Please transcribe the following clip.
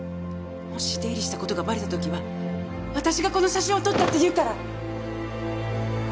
もし出入りした事がバレた時は私がこの写真を撮ったって言うから！